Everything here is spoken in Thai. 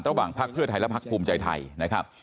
ระหว่างภาคเพื่อไทยและภาคภูมิใจไทยนะครับ